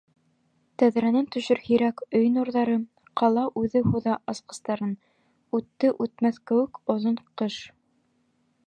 Тәҙрәнән төшөр һирәк өй нурҙары, Ҡала үҙе һуҙа асҡыстарын — Үтте үтмәҫ кеүек оҙон ҡыш.